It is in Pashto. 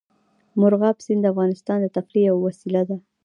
مورغاب سیند د افغانانو د تفریح یوه وسیله ده.